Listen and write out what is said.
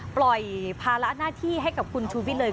ปล่อยภาระหน้าที่ให้กับคุณชูวิทย์เลย